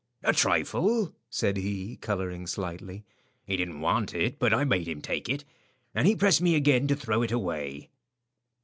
"A trifle," said he, colouring slightly. "He didn't want it, but I made him take it. And he pressed me again to throw it away."